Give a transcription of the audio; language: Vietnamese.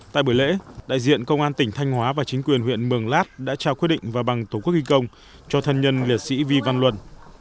tại buổi lễ đại diện công an tỉnh thanh hóa và chính quyền huyện mường lát đã trao quyết định và bằng tổ quốc ghi công cho thân nhân liệt sĩ vi văn luân